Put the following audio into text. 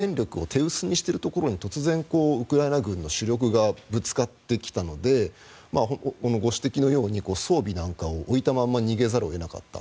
ロシア軍が戦力を手薄にしているところに突然ウクライナ軍の主力がぶつかってきたのでご指摘のように装備なんかを置いたまま逃げざるを得なかった。